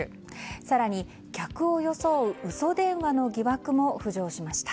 更に客を装う嘘電話の疑惑も浮上しました。